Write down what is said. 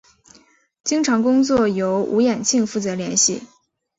经常工作由吴衍庆负责联系。